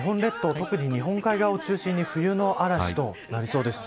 特に日本側を中心に冬の嵐となりそうです。